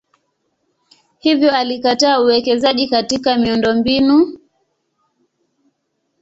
Hivyo alikataa uwekezaji katika miundombinu kama vile barabara au taasisi za elimu na afya.